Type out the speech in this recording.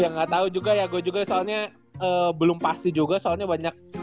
ya gatau juga ya gua juga soalnya belum pasti juga soalnya banyak